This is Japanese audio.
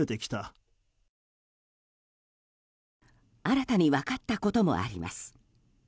新たに分かったこともあります。